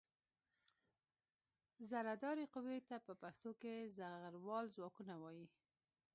زرهدارې قوې ته په پښتو کې زغروال ځواکونه وايي.